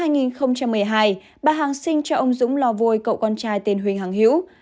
năm hai nghìn một mươi hai bà hằng sinh cho ông dũng lò vôi cậu con trai tên huỳnh hằng hiếu